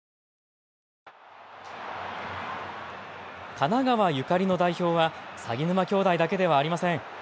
神奈川ゆかりの代表は鷺沼兄弟だけではありません。